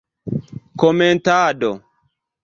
Komentado.